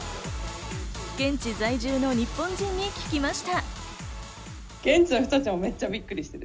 現地在住の日本人に聞きました。